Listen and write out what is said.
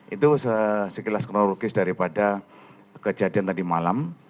itu sekilas kronologis daripada kejadian tadi malam